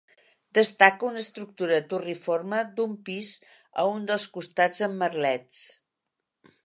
Destaca una estructura turriforme d'un pis a un dels costats amb merlets.